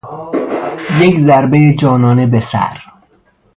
یک ضربهی جانانه به سر